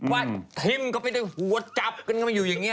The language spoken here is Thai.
วางครีมเค้าก็ไม่ได้หัวจับจนก็ไม่อยู่อย่างเงี้ย